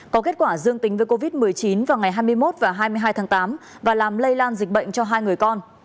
có kết quả dương tính với covid một mươi chín vào ngày hai mươi một và hai mươi hai tháng tám và làm lây lan dịch bệnh cho hai người con